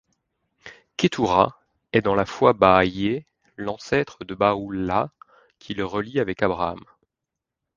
Ketourah est dans la foi baha'ie l’ancêtre de Baha'u'llah qui le relie avec Abraham.